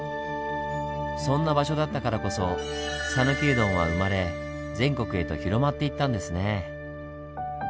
そんな場所だったからこそさぬきうどんは生まれ全国へと広まっていったんですねぇ。